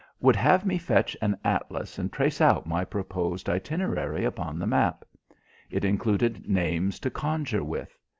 Would have me fetch an atlas and trace out my proposed itinerary upon the map. It included names to conjure with.